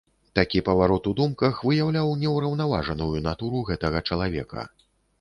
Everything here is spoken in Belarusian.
Такі паварот у думках выяўляў неўраўнаважаную натуру гэтага чалавека.